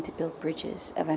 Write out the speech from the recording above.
và hướng dẫn người việt